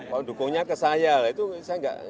kalau dukungnya ke saya lah itu saya nggak